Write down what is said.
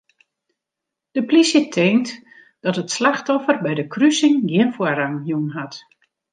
De plysje tinkt dat it slachtoffer by de krusing gjin foarrang jûn hat.